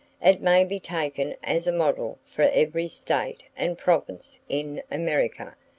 It may be taken as a model for every state and province in America.